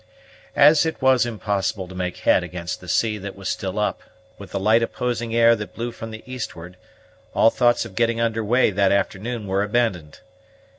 As it was impossible to make head against the sea that was still up, with the light opposing air that blew from the eastward, all thoughts of getting under way that afternoon were abandoned.